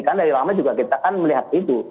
karena dari lama juga kita kan melihat itu